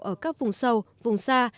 ở các vùng sâu vùng xa